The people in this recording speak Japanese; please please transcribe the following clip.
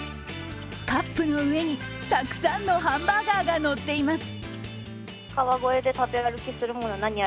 カップの上にたくさんのハンバーガーがのっています。